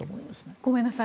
ごめんなさい